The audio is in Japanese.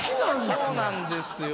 そうなんですよ